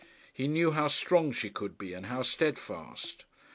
He knew how strong she could be, and how steadfast.